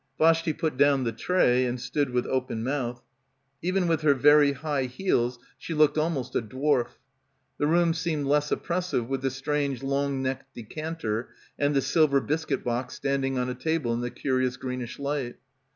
Vashti put down the tray and stood with open mouth. Even with her very high heels she looked almost a dwarf. The room seemed less oppressive with the strange long necked decanter — 191 — PILGRIMAGE and the silver biscuit box standing on a table in the curious greenish light.